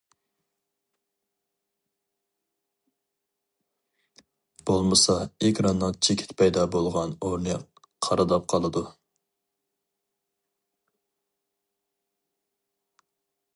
بولمىسا ئېكراننىڭ چېكىت پەيدا بولغان ئورنى قارىداپ قالىدۇ.